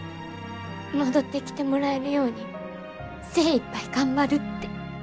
戻ってきてもらえるように精いっぱい頑張るって。